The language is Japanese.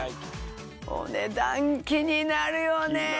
お値段気になるよね。